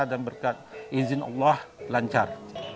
dan berkat izin allah lancar